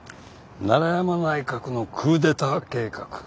奈良山内閣のクーデター計画。